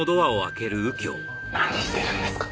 何してるんですか。